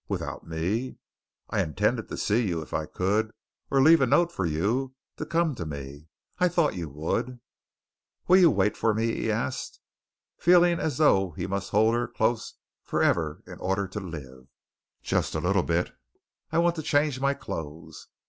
"Without me?" "I intended to see you, if I could, or leave a note for you to come to me. I thought you would." "Will you wait for me?" he asked, feeling as though he must hold her close forever in order to live. "Just a little bit. I want to change my clothes."